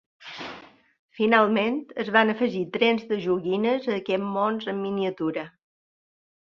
Finalment, es van afegir trens de joguines a aquests mons en miniatura.